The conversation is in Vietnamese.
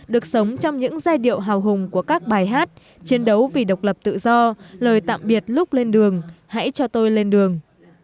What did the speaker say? được sống trong những giai điệu hào hùng của các bài hát chiến đấu vì độc lập tự do lời tạm biệt lúc lên đường hãy cho tôi lên đường